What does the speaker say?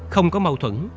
không có mâu thuẫn